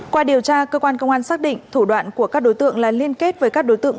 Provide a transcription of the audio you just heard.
qua điều tra cơ quan công an xác định thủ đoạn của các đối tượng là liên kết với các đối tượng